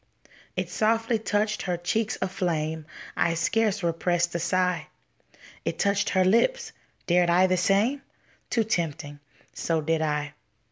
It softly touched her cheeks aflame. I scarce repressed a sigh. It touched her lips. Dared I the same? Too tempting; so did I.